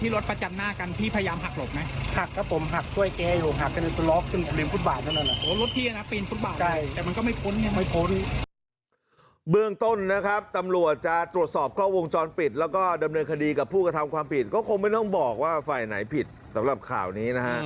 อ๋อรถที่อ่ะนะปีนฟุตบ่าวแต่มันก็ไม่โพ้ด้วย